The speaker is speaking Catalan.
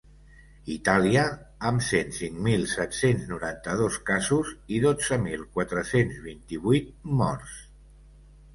Itàlia, amb cent cinc mil set-cents noranta-dos casos i dotze mil quatre-cents vint-i-vuit morts.